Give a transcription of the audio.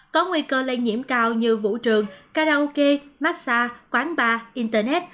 có nguy cơ lây nhiễm cao như vũ trường karaoke massage quán bar internet